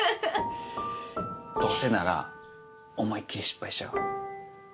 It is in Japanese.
どうせなら思いっ切り失敗しちゃおう。